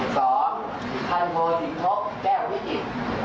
สองท่านโครสินทบแจ้ววิกิต